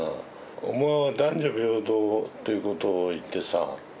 お前は男女平等ということを言ってさ